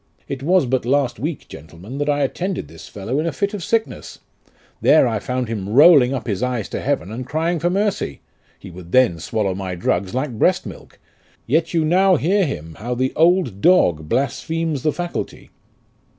It was but last week, gentlemen, that I attended this fellow in a fit of sickness ; there I found him rolling up his eyes to heaven and crying for mercy : he would then swallow my drugs like breast milk ; yet you now hear him, how the old dog blasphemes the faculty."